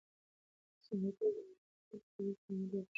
ثمر ګل د معلم غني د خبرو په مانا ډېر ښه پوه شو.